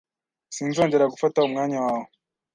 Sinzongera gufata umwanya wawe.